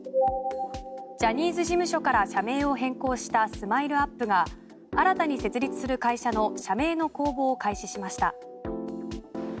ジャニーズ事務所から社名を変更したＳＭＩＬＥ−ＵＰ．が新たに設立する会社の社名の公募を開始しました。